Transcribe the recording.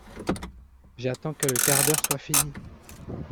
J’attends que le quart d’heure soit fini…